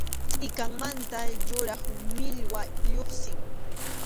Tʼikanmantataq yuraq millwa lluqsin.